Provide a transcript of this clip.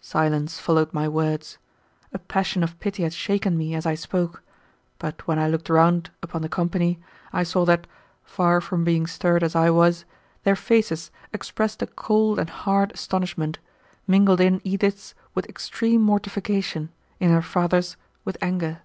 Silence followed my words. A passion of pity had shaken me as I spoke, but when I looked around upon the company, I saw that, far from being stirred as I was, their faces expressed a cold and hard astonishment, mingled in Edith's with extreme mortification, in her father's with anger.